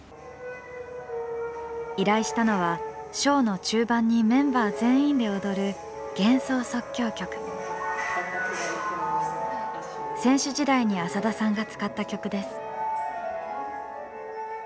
依頼したのはショーの中盤にメンバー全員で踊る選手時代に浅田さんが使った曲です。